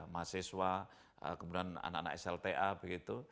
mahasiswa kemudian anak anak slta begitu